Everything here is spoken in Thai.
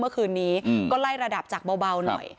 ก็ไล่ระดับจากเบาหน่อย